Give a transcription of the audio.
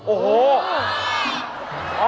โอ้โห